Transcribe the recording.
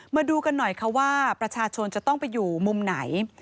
มาดูกันหน่อยค่ะว่าประชาชนจะต้องไปอยู่มุมไหน